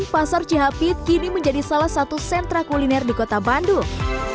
pasar cihapit kini menjadi salah satu sentra kuliner di kota bandung